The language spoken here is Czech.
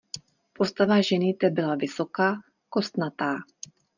Postava ženy té byla vysoká, kostnatá.